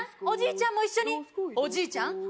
おじいちゃんも一緒におじいちゃん